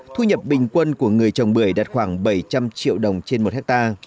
thu nhập bình quân của người trồng bưởi đạt khoảng bảy trăm linh triệu đồng trên một hectare